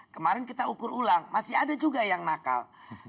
kemarin kita ukur ulang masih ada juga yang nakal